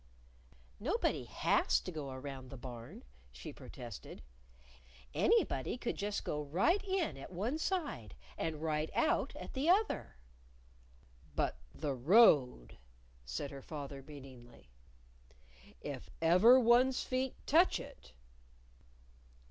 "Nobody has to go round the Barn," she protested. "Anybody could just go right in at one side and right out at the other." "But the road!" said her father meaningly. "If ever one's feet touch it